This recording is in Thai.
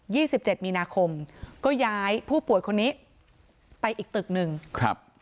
สิบเจ็ดมีนาคมก็ย้ายผู้ป่วยคนนี้ไปอีกตึกหนึ่งครับ